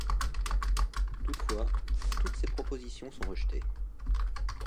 Toutefois toutes ces propositions sont rejetées.